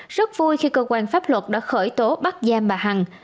rất vui khi cơ quan pháp luật đã khởi tố bắt giam bà hằng